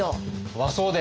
和装で。